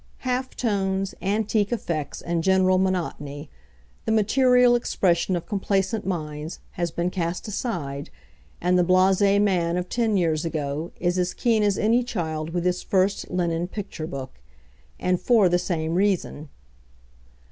Half tones, antique effects, and general monotony, the material expression of complacent minds, has been cast aside, and the blasé man of ten years ago is as keen as any child with his first linen picture book, and for the same reason.